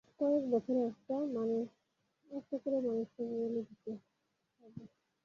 কয়েক বছরে একটা করে মানুষকে বলি দিতে হবে।